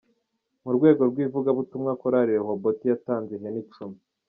Mu rwego rw’ivugabutumwa Korali Rehoboti yatanze ihene Icumi